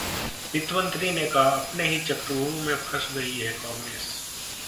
वित्त मंत्री ने कहा- अपने ही चक्रव्यूह में फंस गई है कांग्रेस